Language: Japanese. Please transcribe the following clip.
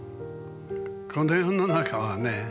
この世の中はね